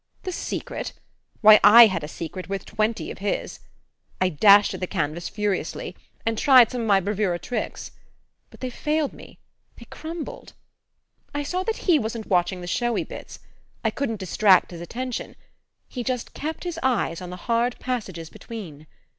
The secret? Why, I had a secret worth twenty of his! I dashed at the canvas furiously, and tried some of my bravura tricks. But they failed me, they crumbled. I saw that he wasn't watching the showy bits I couldn't distract his attention; he just kept his eyes on the hard passages between.